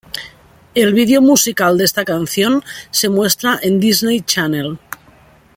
El video musical de esta canción se muestra en Disney Channel.